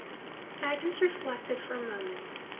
Agnes reflected for a moment.